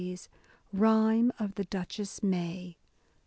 (Rhyme of the Duchess May.)